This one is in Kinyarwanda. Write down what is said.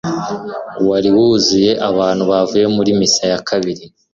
wari wuzuye abantu bavuye muri misa ya kabiri.